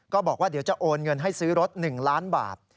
บอกว่าเดี๋ยวจะโอนเงินให้ซื้อรถ๑ล้านบาท